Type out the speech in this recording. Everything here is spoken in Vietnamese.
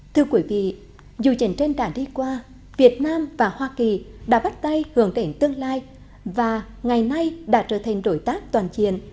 thưa quý vị dù chiến tranh đã đi qua việt nam và hoa kỳ đã bắt tay hưởng định tương lai và ngày nay đã trở thành đối tác toàn chiến